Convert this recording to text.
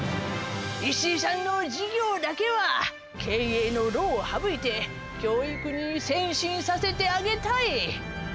石井さんの事業だけは経営の労を省いて教育に専心させてあげたい。